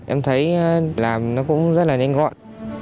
em thấy làm nó cũng rất là nhanh gọn